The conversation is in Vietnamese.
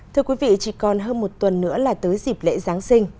thưa quý vị chỉ còn hơn một tuần nữa là tới dịp lễ giáng sinh